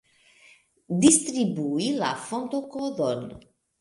Distribui la fontokodon.